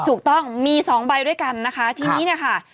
ถูกต้องมีสองใบด้วยกันนะคะทีนี้เนี่ยค่ะ